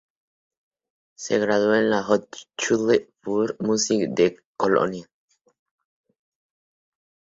Se graduó en la Hochschule für Musik de Colonia.